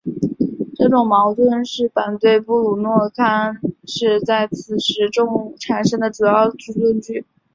这种矛盾是反对布鲁诺坑是在此时产生的主要论据。